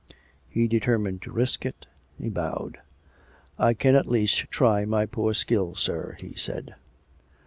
He determined to risk it. He bowed. " I can at least try my poor skill, sir," he said.